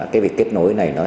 cái việc kết nối này